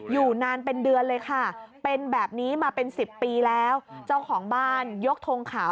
อยู่นานเป็นเดือนเลยค่ะ